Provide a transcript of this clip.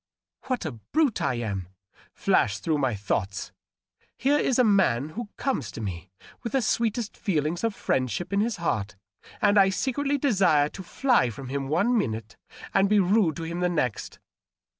* What a brute I am !' flashed through my thoughts. ^ Here is a man who comes to me with the sweetest feelings of friendship in his heart, and I secretly desire to fly from him one minute and be rude to him the next.'